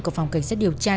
của phòng cảnh sát điều tra